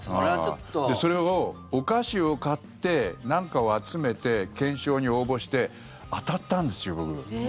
それをお菓子を買って何かを集めて、懸賞に応募して当たったんですよ、僕。